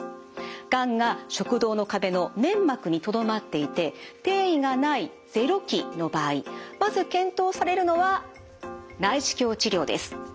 がんが食道の壁の粘膜にとどまっていて転移がない０期の場合まず検討されるのは内視鏡治療です。